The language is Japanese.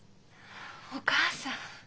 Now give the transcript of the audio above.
お母さん。